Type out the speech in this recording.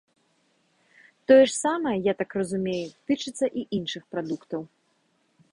Тое ж самае, я так разумею, тычыцца і іншых прадуктаў?